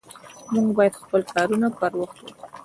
مونږ بايد خپل کارونه پر وخت وکړو